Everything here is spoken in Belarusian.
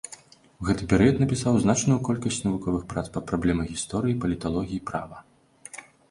У гэты перыяд напісаў значную колькасць навуковых прац па праблемах гісторыі, паліталогіі, права.